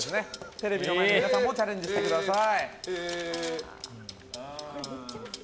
テレビの前の皆さんもチャレンジしてみてください。